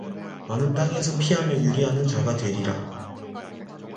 너는 땅에서 피하며 유리하는 자가 되리라